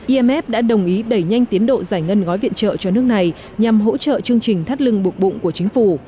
imf đã đồng ý đẩy nhanh tiến độ giải ngân gói viện trợ cho nước này nhằm hỗ trợ chương trình thắt lưng buộc bụng của chính phủ